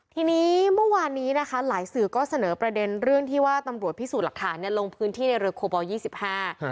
ทีนี้เมื่อวันนี้หลายสื่อเสนอประเด็นเรื่องที่ตำรวจพิสูจน์หลักฐานลงพื้นที่ในเรือโคเปียล๒๕